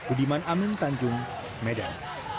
udiman amin tanjung medan